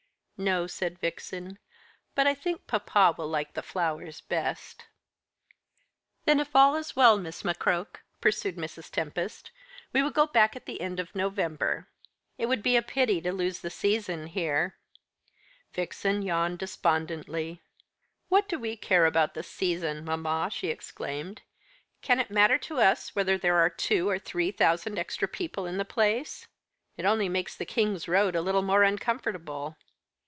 "No," said Vixen, "but I think papa will like the flowers best." "Then if all is well, Miss McCroke," pursued Mrs. Tempest, "we will go back at the end of November. It would be a pity to lose the season here." Vixen yawned despondently. "What do we care about the season, mamma?" she exclaimed. "Can it matter to us whether there are two or three thousand extra people in the place? It only makes the King's Road a little more uncomfortable."